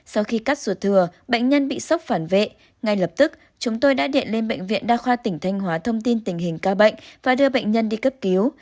sau khi cắt ruột thừa bệnh nhân bị sốc phản vệ ngay lập tức chúng tôi đã điện lên bệnh viện đa khoa tỉnh thanh hóa thông tin tình hình ca bệnh và đưa bệnh nhân đi cấp cứu